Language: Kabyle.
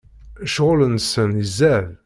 Ccɣel-nsen izad!